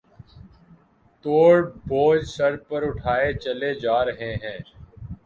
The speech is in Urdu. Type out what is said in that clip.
توڑ بوجھ سر پر اٹھائے چلے جا رہے ہیں